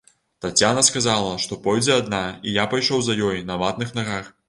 Таццяна сказала, што пойдзе адна, і я пайшоў за ёй на ватных нагах.